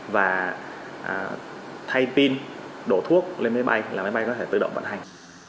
và thay pin đổ thuốc lên máy bay là máy bay có thể tự động vận hành